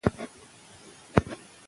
د پښتو ژبې شاعري زموږ د هېواد ښکلا ده.